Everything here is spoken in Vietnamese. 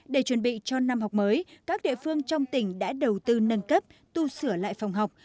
để chuẩn bị cho năm học mới các địa phương trong tỉnh đã đầu tư nâng cấp tu sửa lại phòng học